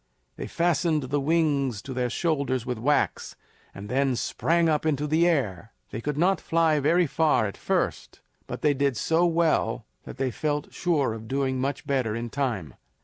They fastened the wings to their shoulders with wax, and then sprang up into the air. They could not fly very far at first, but they did so well that they felt sure of doing much better in time.